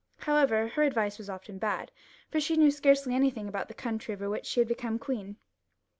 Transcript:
However, her advice was often bad, for she knew scarcely anything about the country over which she had become queen.